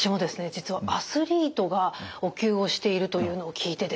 実はアスリートがお灸をしているというのを聞いてですね